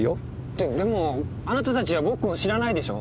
ででもあなたたちは僕を知らないでしょ？